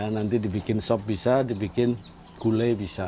nanti dibikin sop bisa dibikin gulai bisa